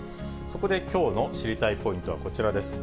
そこできょうの知りたいポイントはこちらです。